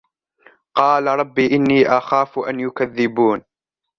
قال رب إني أخاف أن يكذبون